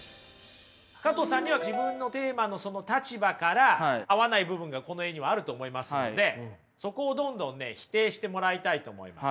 加藤さんには自分のテーマのその立場から合わない部分がこの絵にはあると思いますのでそこをどんどんね否定してもらいたいと思います。